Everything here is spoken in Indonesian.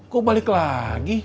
kok balik lagi